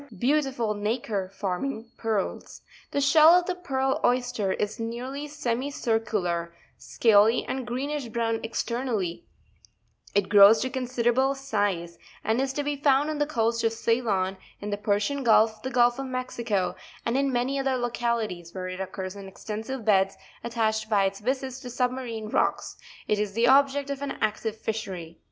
—MELEAGRINA beautiful nacre, forming pearls. icon aki The shell of the Pearl Oyster is nearly semicircular, scaly and greenish brown externally; it grows to considerable size, and is to be found on the coast of Ceylon, in the Persian Gulf, the Gulf of Mexico, and in many other localities, where it occurs in extensive beds, aitached by its byssus to submarine: rocks: it is the object of an active fishery.